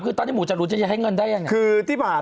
ก็คือ